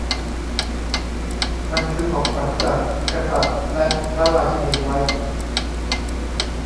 มันคือของขวัญจาก กษัตริย์และพระราชินีไวท์